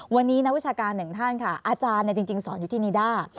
วันนี้นักวิชาการหนึ่งท่านค่ะอาจารย์จริงสอนอยู่ที่นีด้า